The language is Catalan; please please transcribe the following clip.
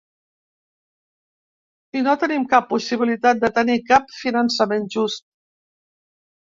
Si no tenim cap possibilitat de tenir cap finançament just.